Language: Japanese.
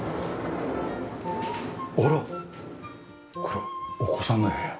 これはお子さんの部屋？